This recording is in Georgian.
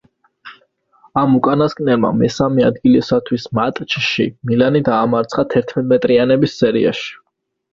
ამ უკანასკნელმა მესამე ადგილისათვის მატჩში „მილანი“ დაამარცხა თერთმეტრიანების სერიაში.